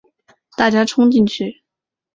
大家冲进去